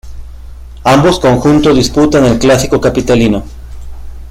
Ambos conjuntos disputan el clásico capitalino.